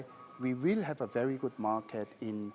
kita akan memiliki pasar yang sangat baik